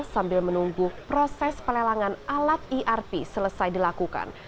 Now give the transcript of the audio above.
sambil menunggu proses pelelangan alat erp selesai dilakukan